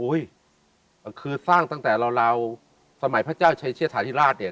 คือสร้างตั้งแต่ราวสมัยพระเจ้าชัยเชษฐาธิราชเนี่ย